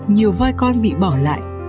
nhiều voi con bị bỏ lại